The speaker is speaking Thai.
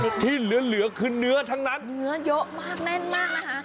ที่เหลือคือเนื้อทั้งนั้นเนื้อเยอะมากแน่นมากนะคะ